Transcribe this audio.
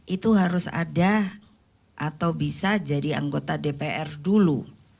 itu harus ada atau bisa jadi anggota dpr dulu